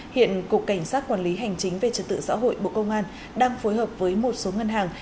hiện cục cảnh sát quản lý hành chính về trật tự xã hội bộ công an đang phối hợp với một số ngân hàng